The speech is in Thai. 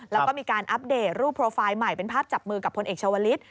แล้วก็มีการอัปเดตรูปโปรไฟล์ใหม่เป็นภาพจับมือกับพลเอกชาวลิศ